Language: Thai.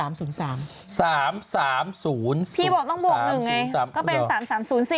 พี่บอกต้องบวก๑ไงก็เป็น๓๓๐๔